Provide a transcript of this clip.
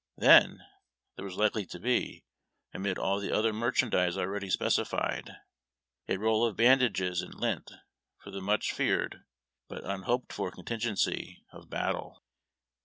Then, there was likely to be, amid all the other merchandise already specified, a roll of bandages and lint, for the much feared but unhoped for contingency of battle.